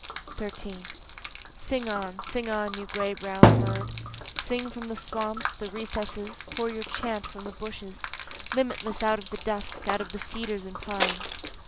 13 Sing on, sing on you gray brown bird, Sing from the swamps, the recesses, pour your chant from the bushes, Limitless out of the dusk, out of the cedars and pines.